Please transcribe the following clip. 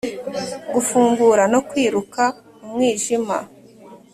gufungura no kwiruka umwijima